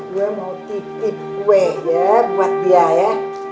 gue mau titip gue ya buat dia ya